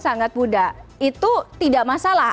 sangat muda itu tidak masalah